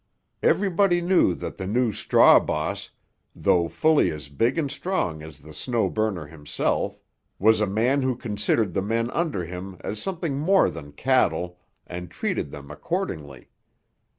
Everybody knew that the new straw boss, though fully as big and strong as the Snow Burner himself, was a man who considered the men under him as something more than cattle and treated them accordingly.